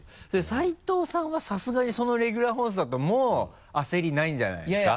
斉藤さんはさすがにそのレギュラー本数だともう焦りないんじゃないですか？